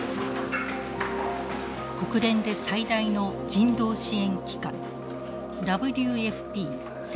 国連で最大の人道支援機関ＷＦＰ世界食糧計画。